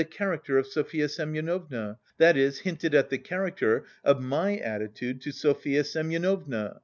character of Sofya Semyonovna, that is, hinted at the character of my attitude to Sofya Semyonovna.